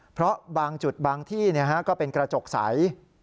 เพราะบางจุดบางที่ก็เป็นกระจกใส